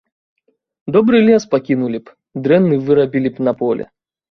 Добры лес пакінулі б, дрэнны вырабілі б на поле.